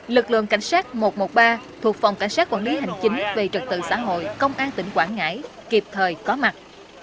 lực lượng cảnh sát một trăm một mươi ba thuộc phòng cảnh sát quản lý hành chính về trật tự xã hội công an tỉnh quảng ngãi kịp thời có mặt